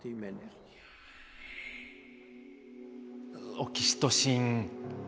オキシトシン。